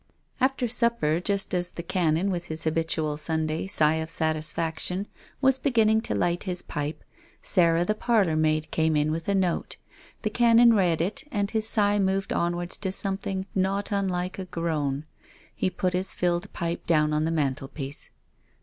After supper, just as the Canon, with his habitual Sunday sigh of satisfaction, was beginning to light his pipe, Sarah, the parlour maid, came in with a note. The Canon read it and his sigh moved onwards to something not unlike a groan. He put his filled pipe down on the man telpiece.